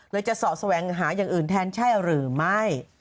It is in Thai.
จะเสาะแสวงหาอย่างอื่นแทนใช่หรือไม่